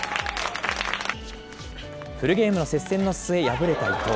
フルゲームの接戦の末、敗れた伊藤。